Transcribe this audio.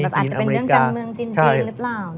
อาจจะเป็นเรื่องการเมืองจริงหรือเปล่า